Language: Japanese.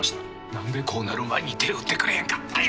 何でこうなる前に手打ってくれんかったんや。